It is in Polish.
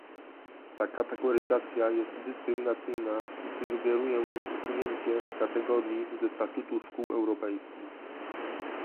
Ta kategoryzacja jest dyskryminacyjna i sugeruję jej usunięcie kategorii ze statutu szkół europejskich